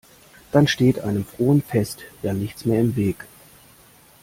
Dann steht einem frohen Fest ja nichts mehr im Weg.